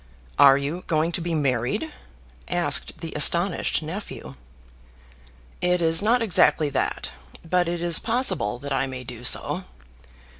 "Are you going to be married?" asked the astonished nephew. "It is not exactly that, but it is possible that I may do so.